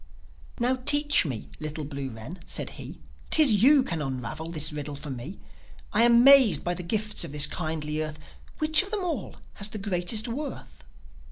"Now, teach me, little blue wren," said he. "'Tis you can unravel this riddle for me. I am 'mazed by the gifts of this kindly earth. Which of them all has the greatest worth?"